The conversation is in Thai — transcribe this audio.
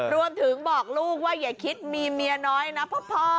บอกลูกว่าอย่าคิดมีเมียน้อยนะพ่อ